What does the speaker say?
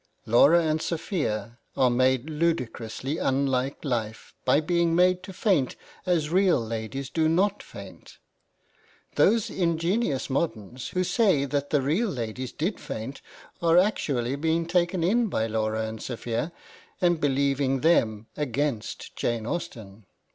Laura and Sophia are made ludicrously unlike life by being made to faint as real ladies do not faint. Those ingenious moderns, who say that the real ladies did faint, are actually being taken in by Laura and Sophia, and believing them against Jane Austen.